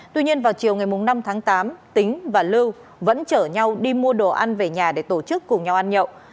tuy nhiên vào chiều ngày năm tháng tám tính và lưu vẫn chở nhau đi mua đồ ăn về nhà để tổ chức cùng nhau ăn nhậu